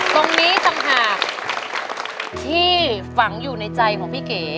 ตรงนี้ต่างหากที่ฝังอยู่ในใจของพี่เก๋